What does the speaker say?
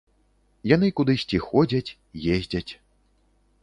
Яны кудысьці ходзяць, ездзяць.